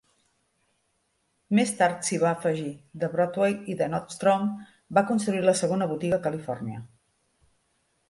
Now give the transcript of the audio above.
Més tard, s'hi va afegir The Broadway i Nordstrom va construir la segona botiga a Califòrnia.